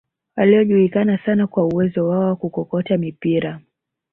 waliojulikana sana kwa uwezo wao wa kukokota mipira